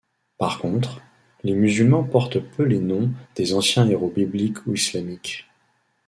Par contre, les musulmans portent peu les noms des anciens héros bibliques ou islamiques.